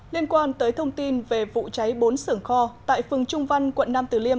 liên quan tới thông tin về vụ cháy bốn sưởng kho tại phường trung văn quận nam từ liêm